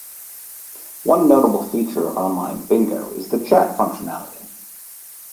One notable feature of online bingo is the chat functionality.